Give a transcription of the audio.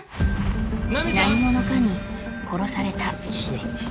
何者かに殺された